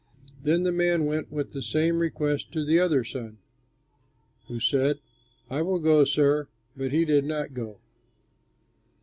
Then the man went with the same request to the other son, who said, 'I will go, sir'; but he did not go.